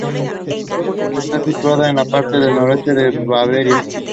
Está situada en la parte noroeste de Baviera.